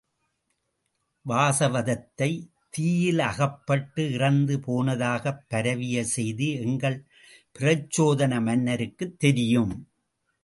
வாசவதத்தை தீயிலகப்பட்டு இறந்து போனதாகப் பரவிய செய்தி எங்கள் பிரச்சோதன மன்னருக்கும் தெரியும்.